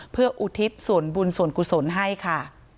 เพื่ออุทิศส่วนบุญส่วนกุศลให้ค่ะ